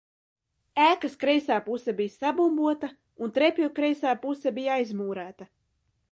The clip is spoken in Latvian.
Ēkas kreisā puse bija sabumbota un trepju kreisā puse bija aizmūrēta.